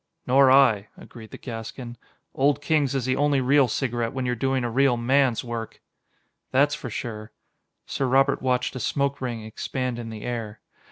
"Nor I," agreed the Gascon. "Old Kings is the only real cigarette when you're doing a real man's work." "That's for sure." Sir Robert watched a smoke ring expand in the air.